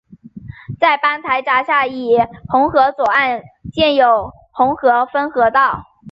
在班台闸以下洪河左岸建有洪河分洪道。